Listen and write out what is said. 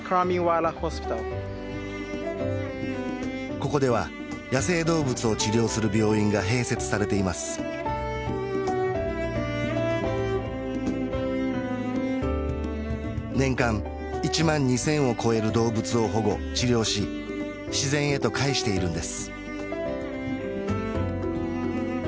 ここでは野生動物を治療する病院が併設されています年間１万２０００を超える動物を保護・治療し自然へと返しているんです